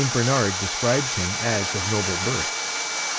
Bernard describes him as of noble birth.